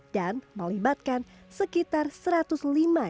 dan melibatkan sekitar seratus kota